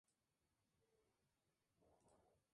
Fue parte del teatro itinerante.